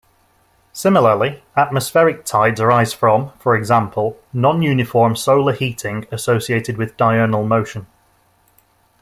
Similarly, atmospheric tides arise from, for example, non-uniform solar heating associated with diurnal motion.